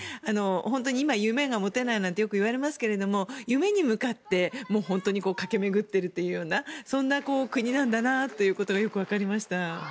本当に今、夢が持てないなんてよく言われますけど夢に向かって駆け巡っているというようなそんな国なんだなということがよく分かりました。